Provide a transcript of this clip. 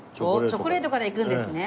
チョコレートからいくんですね。